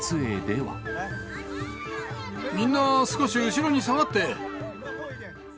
みんな、少し後ろに下がって。